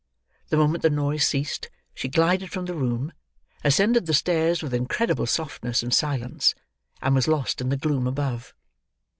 The moment the noise ceased, she glided from the room; ascended the stairs with incredible softness and silence; and was lost in the gloom above.